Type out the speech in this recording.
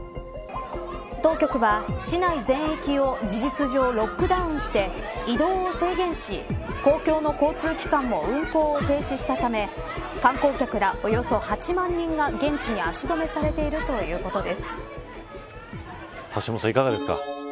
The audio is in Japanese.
当局は、市内全域を事実上、ロックダウンして移動を制限し公共の交通機関も運行を停止したため観光客ら、およそ８万人が現地に足止めされている橋下さん、いかがですか。